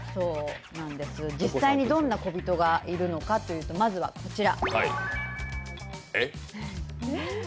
実際にどんなこびとがいるのかというと、こちら。